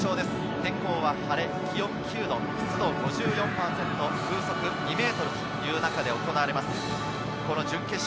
天候は晴れ、気温は９度、湿度５４％、風速２メートルという中で行われています、準決勝。